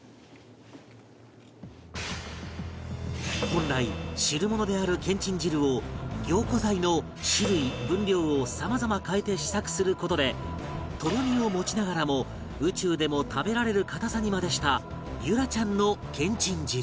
本来汁物であるけんちん汁を凝固剤の種類分量をさまざま変えて試作する事でとろみを持ちながらも宇宙でも食べられる固さにまでした結桜ちゃんのけんちん汁